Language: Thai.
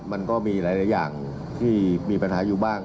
มันก็มีหลายอย่างที่มีปัญหาอยู่บ้าง